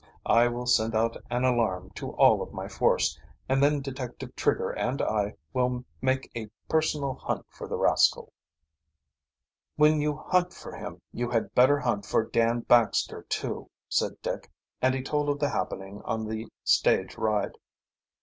I will send out an alarm to all of my force, and then Detective Trigger and I will make a personal hunt for the rascal." "When you hunt for him you had better hunt for Dan Baxter, too," said Dick, and he told of the happening on the stage ride.